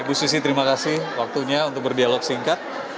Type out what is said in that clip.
bu susi terima kasih waktunya untuk berdialog singkat